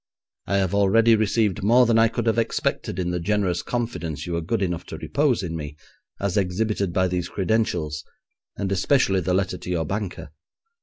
I have already received more than I could have expected in the generous confidence you were good enough to repose in me, as exhibited by these credentials, and especially the letter to your banker.